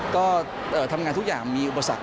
ก็ทำงานทุกอย่างมีอุปสรรค